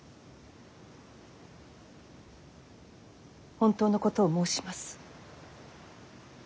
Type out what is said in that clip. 本当のことを申します。